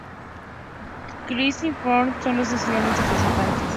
Clifton y Ashton son las dos ciudades principales.